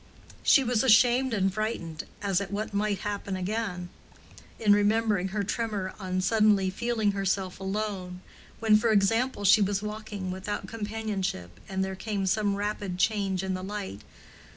She was ashamed and frightened, as at what might happen again, in remembering her tremor on suddenly feeling herself alone, when, for example, she was walking without companionship and there came some rapid change in the light.